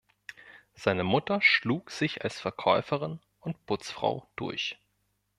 Seine Mutter schlug sich als Verkäuferin und Putzfrau durch.